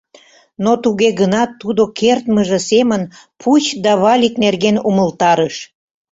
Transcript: Но туге гынат тудо кертмыже семын пуч да валик нерген умылтарыш.